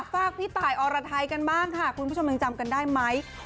ฝากพี่ตายอรไทยกันบ้างค่ะคุณผู้ชมยังจำกันได้ไหม